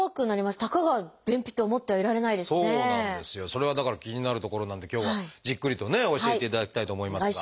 それがだから気になるところなんで今日はじっくりとね教えていただきたいと思いますが。